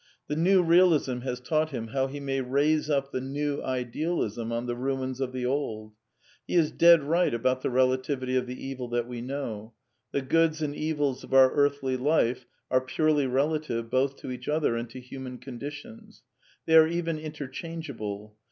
The New Eealism has taught him how he may raise up the New Idealism on the ruins of the old. [e is dead right about the relativity of the evil that we know. The goods and evils of our earthly life are purely relative both to each other and to human condi tions. They are even interchangeable.